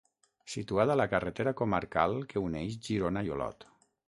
Situada a la carretera comarcal que uneix Girona i Olot.